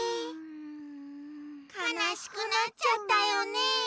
かなしくなっちゃったよね。